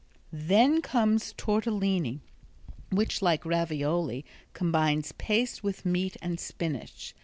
Then comes tortelini which, like ravioli, combines paste with meat and spinach.